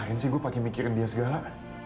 ngapain sih gue pake mikirin dia segala